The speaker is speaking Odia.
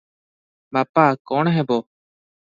ବାପା କଣ ହେବ?"